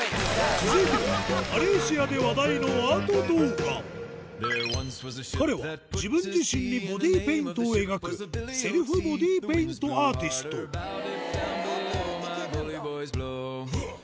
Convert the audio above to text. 続いてはマレーシアで彼は自分自身にボディーペイントを描くセルフボディーペイントアーティスト『Ｗｅｌｌｅｒｍａｎ』